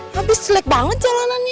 habis jelek banget jalanannya